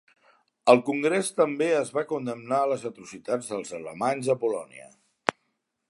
Al congrés també es va condemnar les atrocitats dels alemanys a Polònia.